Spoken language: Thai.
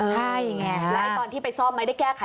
ใช่อย่างนี้